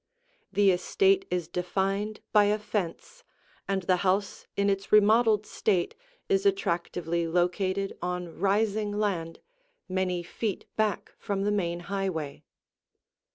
The estate is defined by a fence, and the house in its remodeled state is attractively located on rising land, many feet back from the main highway.